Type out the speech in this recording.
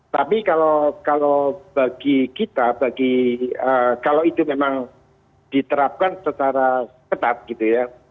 tapi kalau bagi kita bagi kalau itu memang diterapkan secara ketat gitu ya